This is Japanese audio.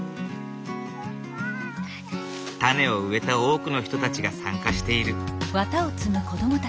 種を植えた多くの人たちが参加している。